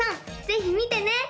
ぜひ見てね！